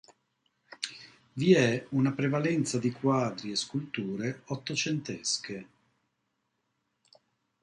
Vi è una prevalenza di quadri e sculture ottocentesche.